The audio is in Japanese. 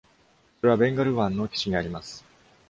それはベンガル湾の岸にあります。